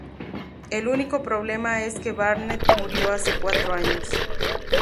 El único problema es que Barnett murió hace cuatro años.